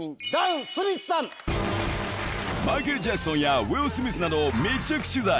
マイケル・ジャクソンやウィル・スミスなどを密着取材